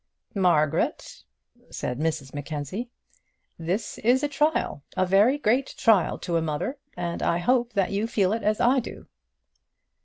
"Margaret," said Mrs Mackenzie, "this is a trial, a very great trial to a mother, and I hope that you feel it as I do."